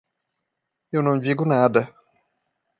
Eu não digo nada.